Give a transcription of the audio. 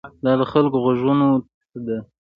دا د خلکو غوږونو ته ده.